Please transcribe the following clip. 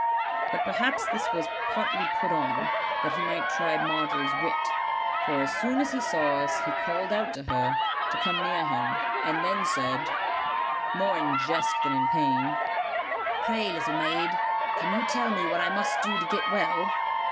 But perhaps this was partly put on, that he might try Margery's wit; for as soon as he saw us he called out to her to come near him, and then said* more in jest than in pain, 'Pray little maid, can you tell me what I must do to get well?'